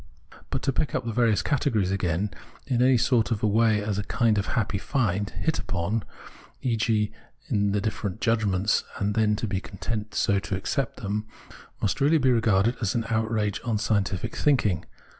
But to pick up the various categories again in any sort of way as a kind of happy find, hit upon, e.g. in the difierent judgments, and then to be content so to accept them, must really be regarded as an outrage on scientific thinking.